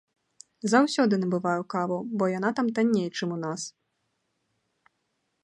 Заўсёды набываю каву, бо яна там танней, чым у нас.